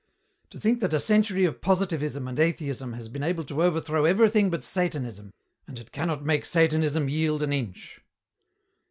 "To think that a century of positivism and atheism has been able to overthrow everything but Satanism, and it cannot make Satanism yield an inch."